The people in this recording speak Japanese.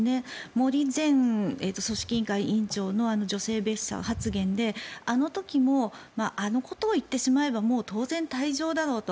森前組織委員会委員長の女性蔑視発言で、あの時もあのことを言ってしまえばもう当然、退場だろうと。